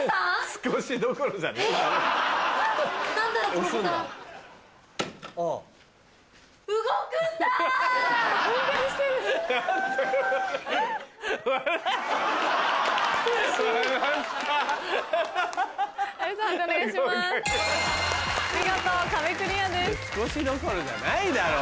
少しどころじゃないだろ！